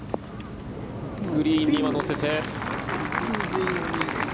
グリーンには乗せて。